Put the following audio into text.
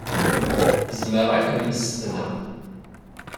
Zemreɣ ad kem-mmestneɣ.